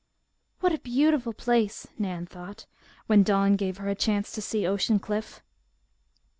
"What a beautiful place!" Nan thought, when dawn gave her a chance to see Ocean Cliff.